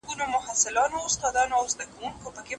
زما له ژبي هم یوه شېبه خونه رنګینه سوه